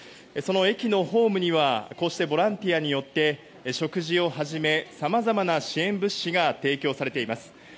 その駅のホームにはこうしてボランティアによって食事をはじめさまざまな支援物資が提供されています。